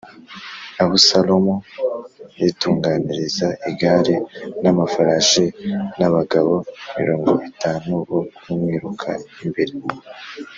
Abusalomu yitunganiriza igare n’amafarashi n’abagabo mirongo itanu bo kumwiruka imbere.